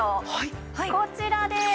こちらです。